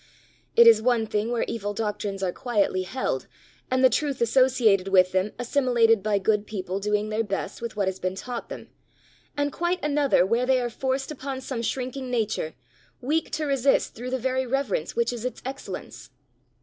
It is one thing where evil doctrines are quietly held, and the truth associated with them assimilated by good people doing their best with what has been taught them, and quite another thing where they are forced upon some shrinking nature, weak to resist through the very reverence which is its excellence.